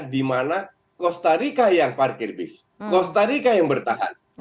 di mana costa rica yang parkir bis costa rica yang bertahan